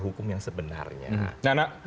hukum yang sebenarnya nah